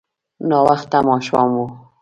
ناوخته ماښام و.